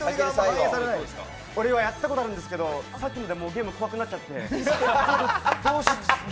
俺はやったことあるんですけど、さっきのでゲーム怖くなっちゃって。